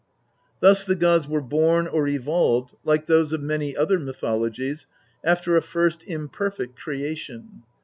Thus the gods were born or evolved, like those of many other mythologies, after a first imperfect creation.